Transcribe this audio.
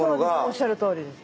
おっしゃるとおりです。